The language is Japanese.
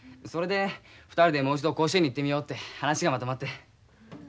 それで２人でもう一度甲子園に行ってみようって話がまとまって。